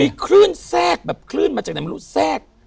มีคลื่นแทรกแบบคลื่นมาจากไหนไม่รู้แทรก